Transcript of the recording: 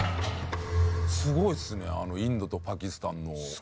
すごいですねあのインドとパキスタンの。